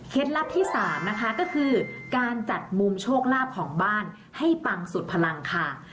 ลับที่๓นะคะก็คือการจัดมุมโชคลาภของบ้านให้ปังสุดพลังค่ะ